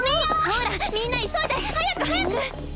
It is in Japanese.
ほらみんな急いで！早く早く！